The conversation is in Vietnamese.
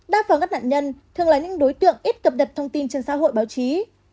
đa phần các nạn nhân thường là những đối tượng ít cập nhật thông tin trên xã hội báo chí